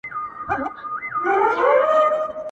• زه د تور توپان په شپه څپه یمه ورکېږمه -